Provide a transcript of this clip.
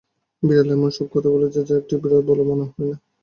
বিড়াল এমন সব কথা বলে যা একটি বিড়াল বলবে বলে মনে হয় না।